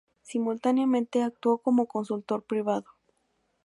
Simultáneamente actuó como consultor privado.